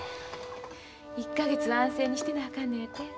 １か月安静にしてなあかんのやて。